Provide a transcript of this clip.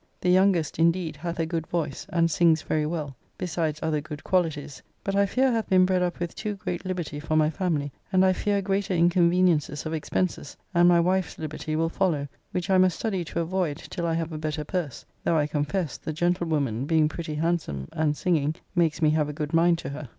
The youngest, indeed, hath a good voice, and sings very well, besides other good qualitys; but I fear hath been bred up with too great liberty for my family, and I fear greater inconveniences of expenses, and my wife's liberty will follow, which I must study to avoid till I have a better purse; though, I confess, the gentlewoman, being pretty handsome, and singing, makes me have a good mind to her.